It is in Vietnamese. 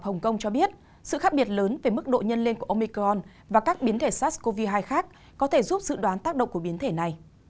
hồng kông cho biết sự khác biệt lớn về mức độ nhân lên của omicron và các biến thể sars cov hai khác có thể giúp dự đoán tác động của biến thể này